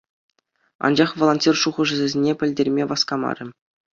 Анчах волонтер шухӑшӗсене пӗлтерме васкамарӗ.